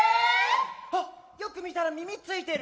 あっよく見たら耳ついてる。